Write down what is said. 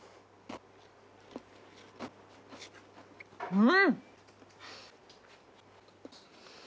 うん！